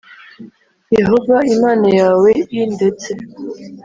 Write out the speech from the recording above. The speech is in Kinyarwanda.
Yehova Imana yawe i ndetse